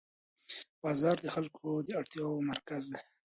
بازار د خلکو د اړتیاوو مرکز دی